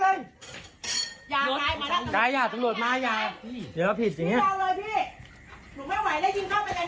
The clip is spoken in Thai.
มึงจะเด็กเนี่ยโอ้โหมีบ้านให้ดิงเด็กเซียกไปดับจะกระแรกขอเรื่อง